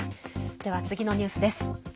では次のニュースです。